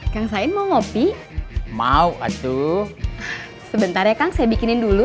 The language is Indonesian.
kang sain mau ngopi mau aduh sebentar ya kang saya bikinin dulu